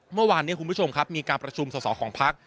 เมื่อวานนี้คุณผู้ชมครับมีการประชุมสอสอของพัก